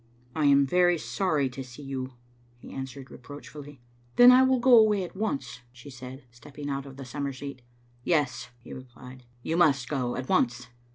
" I am very sorry to see you," he answered^ reproach fully. " Then I will go away at one," she said, stepping out of the summer seat. "Yes," he replied, "you must go at once."